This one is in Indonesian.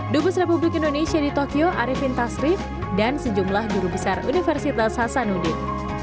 dubes republik indonesia di tokyo arifin tasrif dan sejumlah guru besar universitas hasanuddin